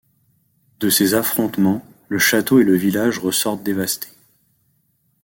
De ces affrontements, le château et le village ressortent dévastés.